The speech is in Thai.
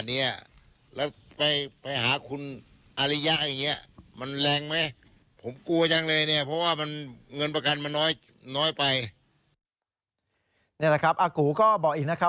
นี่แหละครับอากูก็บอกอีกนะครับ